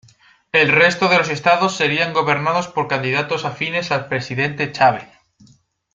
El resto de los estados serían gobernados por candidatos afines al Presidente Chávez.